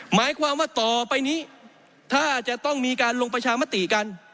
หมายความว่าต่อไปนี้ถ้าจะต้องมีการลงประชามติกัน